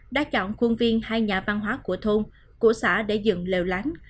đã chọn khuôn viên hai nhà văn hóa của thôn của xã để dựng lèo lãng